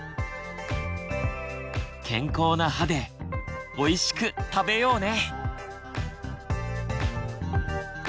健康な歯でおいしく食べようね！